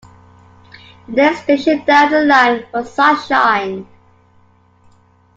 The next station down the line was Sunshine.